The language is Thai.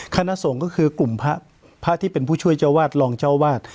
คณะสงฆ์ก็คือกลุ่มพระที่เป็นผู้ช่วยเจ้าวาดรองเจ้าวาด